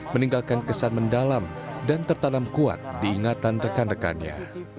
meninggalkan kesan mendalam dan tertanam kuat diingatan rekan rekannya